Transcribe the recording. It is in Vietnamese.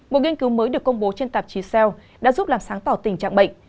một nghiên cứu mới được công bố trên tạp chí cell đã giúp làm sáng tỏ tình trạng bệnh